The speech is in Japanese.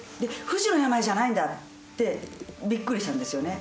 「不治の病じゃないんだ！」ってビックリしたんですよね